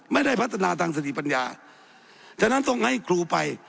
ไม่ได้พัฒนาทางสติปัญญาฉะนั้นต้องให้ครูไป